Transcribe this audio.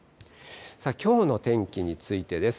きょうの天気についてです。